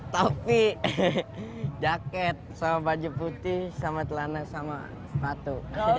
topi jaket sama baju putih sama celana sama sepatu